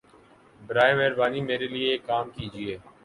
براہَ مہربانی میرے لیے یہ کام کیجیے